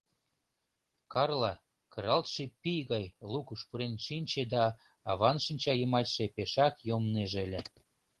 Карла кыралтше пий гай лукыш пурен шинче да аван шинча йымачше пешак йомнеже ыле.